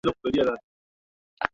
wanaume wajawa au vijana kila kimbia